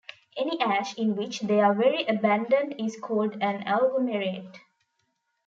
Any ash in which they are very abundant is called an agglomerate.